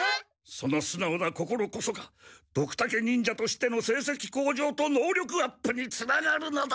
そのすなおな心こそがドクタケ忍者としての成績向上と能力アップにつながるのだ！